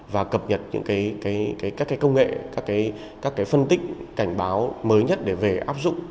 và cập nhật những các công nghệ các phân tích cảnh báo mới nhất để về áp dụng